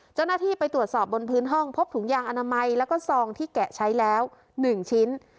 เจ้าหน้าที่ไปตรวจสอบบนพื้นห้องพบถุงยางอนามัยแล้วก็ซองที่แกะใช้แล้ว๑ชิ้น